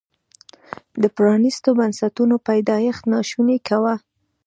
د پرانیستو بنسټونو پیدایښت ناشونی کاوه.